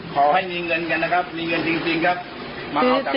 ขอให้มีเงินจริงนะครับซื้อกันสดเลยหน้าโรงงาน